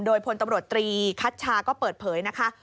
โดยพลตำรวจตรีคัชชาก็เปิดเผยนะคะ